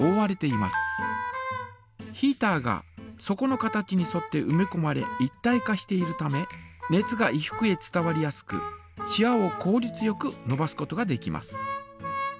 ヒータが底の形にそってうめこまれ一体化しているため熱が衣服へ伝わりやすくしわをこうりつよくのばすことができます。